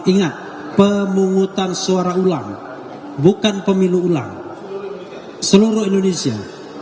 ingat pemungutan suara ulang bukan pemilu ulang seluruh indonesia